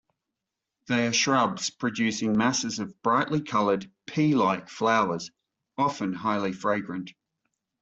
They are shrubs producing masses of brightly coloured, pea-like flowers, often highly fragrant.